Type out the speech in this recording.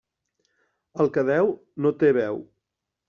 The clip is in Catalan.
El que deu, no té veu.